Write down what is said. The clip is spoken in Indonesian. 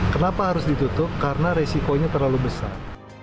kenapa harus ditutup karena resikonya terlalu besar